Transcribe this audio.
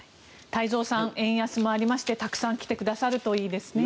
太蔵さん円安もありましてたくさん来てくださるといいですね。